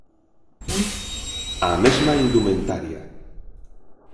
A mesma indumentaria.